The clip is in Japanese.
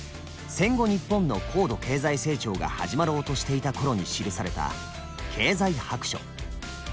戦後日本の高度経済成長が始まろうとしていた頃に記された「経済白書」。